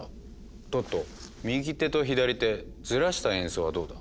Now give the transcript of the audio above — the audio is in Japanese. トット右手と左手ずらした演奏はどうだ。